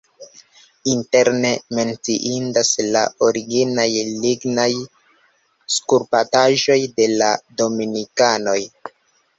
Interne menciindas la originaj lignaj skulptaĵoj de la dominikanoj.